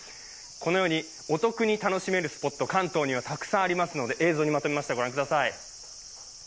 このように、お得に楽しめるスポット、関東にはたくさんありますので映像にまとめました、御覧ください